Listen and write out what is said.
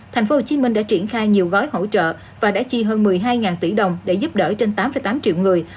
tp hcm đã triển khai nhiều gói hỗ trợ và đã chi hơn một mươi hai tỷ đồng để giúp đỡ trên tám tám triệu người